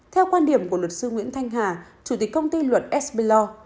theo quan điểm của luật sư nguyễn thanh hà chủ tịch công ty luật sb law